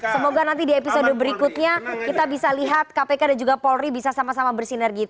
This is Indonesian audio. semoga nanti di episode berikutnya kita bisa lihat kpk dan juga polri bisa sama sama bersinergi